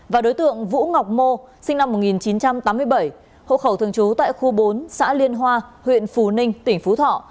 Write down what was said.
và đối tượng vũ ngọc mô sinh năm một nghìn chín trăm tám mươi bảy hộ khẩu thường trú tại khu bốn xã liên hoa huyện phú ninh tỉnh phú thọ